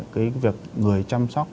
cái việc người chăm sóc